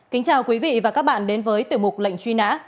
kính chào quý vị và các bạn đến với tiểu mục lệnh truy nã